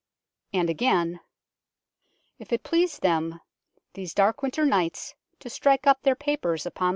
And again " If it please them these dark winter nights to stikke uppe their papers uppon London Stone."